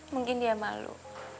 mungkin dia malu